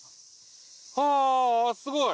あすごい！